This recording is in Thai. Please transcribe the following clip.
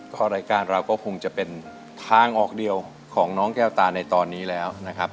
ก็รายการเราก็คงจะเป็นทางออกเดียวของน้องแก้วตาในตอนนี้แล้วนะครับ